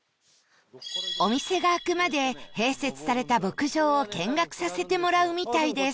お店が開くまで併設された牧場を見学させてもらうみたいです